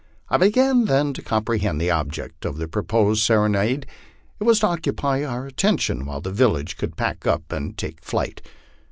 I began then to comprehend the object of the proposed serenade; it was to occupy our attention while the village could pack up and take flight.